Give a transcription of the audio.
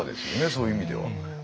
そういう意味では。